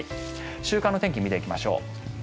週間の天気を見ていきましょう。